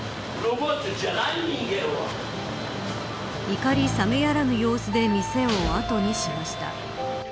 怒りさめやらぬ様子で店を後にしました。